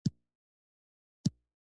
دی کاکا له افغانستانه.